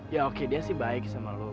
ya oke dia sih baik sama lo